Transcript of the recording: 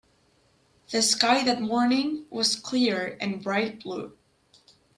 The sky that morning was clear and bright blue.